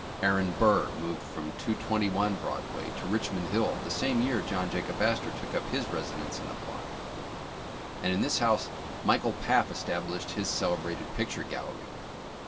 Aaron Burr moved from 221 Broadway to Richmond Hill, the same j^ear John Jacob Astor took up his resi dence in the block, and in this house Michael Paff es tablished his celebrated picture gallery.